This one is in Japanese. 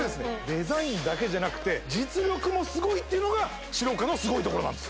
デザインだけじゃなくて実力もすごいっていうのがｓｉｒｏｃａのすごいところなんです